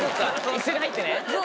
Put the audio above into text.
一緒に入ってね。